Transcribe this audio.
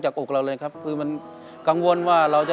นักสู้ชีวิตแต่ละคนก็ฝ่าภันและสู้กับเพลงนี้มากก็หลายรอบ